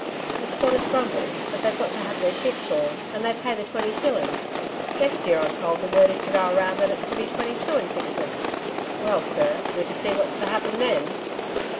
The squatters grumble, but they've got to have their sheep shorn, and they pay the twenty shillings. Next year, I'm told, the word is to go round that it's to be twenty two and sixpence. Well sir, we're to see what's to happen then!'